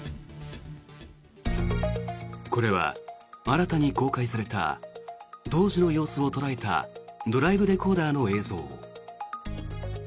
これは新たに公開された当時の様子を捉えたドライブレコーダーの映像。